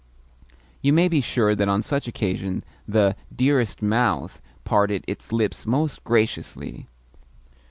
You may be sure that on such occasions the "dearest mouth" parted its lips most graciously!